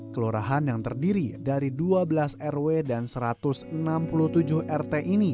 kelurahan yang terdiri dari dua belas rw dan satu ratus enam puluh tujuh rt ini